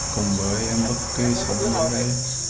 cùng với em bước cái sổ này ra đây